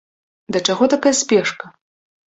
Да чаго такая спешка?